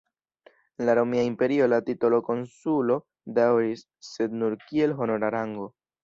En la Romia Imperio la titolo "konsulo" daŭris, sed nur kiel honora rango.